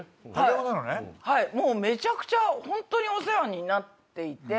はいもうめちゃくちゃホントにお世話になっていて。